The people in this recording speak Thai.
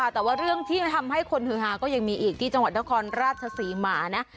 แต่ว่าเรื่องที่ทำให้คนฮือฮาก็ยังมีอีกที่จังหวัดนครราชศรีมานะ